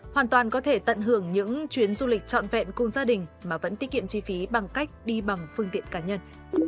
hoàn toàn có thể tận hưởng những chuyến du lịch trọn vẹn cùng gia đình mà vẫn tiết kiệm chi phí bằng cách đi bằng phương tiện cá nhân